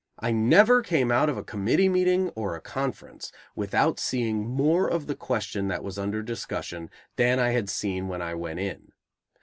I never came out of a committee meeting or a conference without seeing more of the question that was under discussion than I had seen when I went in.